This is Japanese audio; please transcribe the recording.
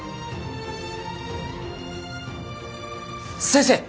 先生！